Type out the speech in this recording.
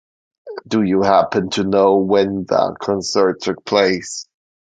Do you happen to know when that concert took place?